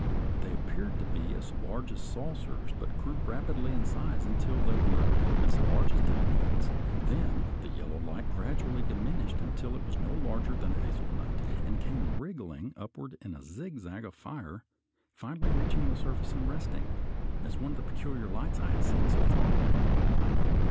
They appeared to be as large as saucers, but grew rapidly in size until they were as large as dinner plates, then the yellow light gradually diminished until it was not larger than a hazelnut, and came wriggling upward in a zigzag of fire, finally reaching the surface and resting, as one of the peculiar lights I had seen so far away.